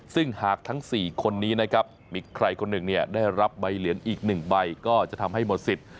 ซึ่งหากทั้ง๔คนนี้นะครับมีใครคนหนึ่งได้รับใบเหรียญอีก๑ใบก็จะทำให้หมดสิทธิ์